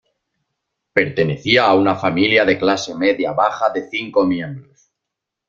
Pertenecía a una familia de clase media-baja de cinco miembros.